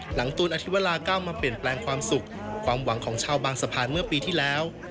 ตูนอธิวราก้าวมาเปลี่ยนแปลงความสุขความหวังของชาวบางสะพานเมื่อปีที่แล้ว